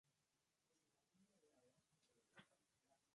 Allí a diario atendía a decenas de solicitantes.